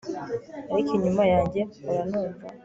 Ariko inyuma yanjye mpora numva